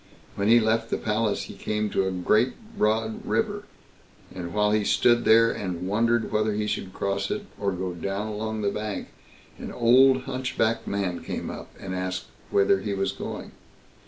when he left the palace he came to a great broad river; and while he stood there and wondered whether he should cross it, or go down along the bank, an old hunchbacked man came up, and asked whither he was going?